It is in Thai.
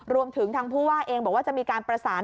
รวมถึงทางผู้ว่าเองบอกว่าจะมีการประสาน